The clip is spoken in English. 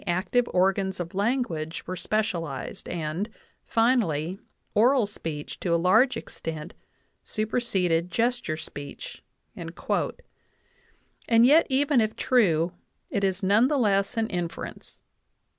active organs of language were special ized, and, finally, oral speech to a large extent superseded ges ture speech;" and yet even. if true, it is none the less an infer ence.